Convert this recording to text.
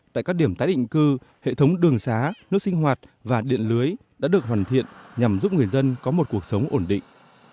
tại các điểm tái định cư hệ thống đường xá nước sinh hoạt và điện lưới đã được hoàn thiện nhằm giúp người dân có một cuộc sống ổn định